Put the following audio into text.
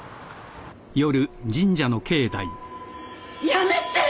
・やめて！